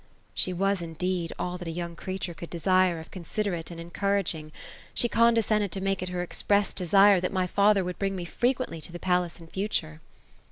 " She was, indeed, all that a young creature could desire, of consider ate and encouraging ; she condescended to make it her express desire, that my father would bring me frequently to the pajace in future."